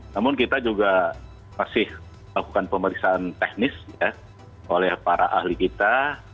namun kita juga masih lakukan pemeriksaan teknis oleh para ahli kita